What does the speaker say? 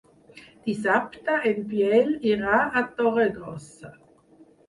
Dissabte en Biel irà a Torregrossa.